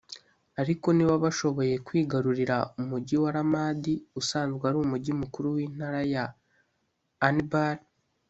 Ariko niba bashoboye kwigarurira umujyi wa Ramadi usanzwe ari umujyi mukuru w'intara ya Anbar